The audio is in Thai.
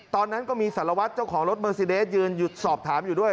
ตอนนั้นก็มีสารวัตรเจ้าของรถเมอร์ซีเดสยืนสอบถามอยู่ด้วย